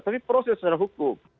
tapi proses secara hukum